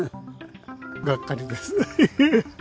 がっかりです。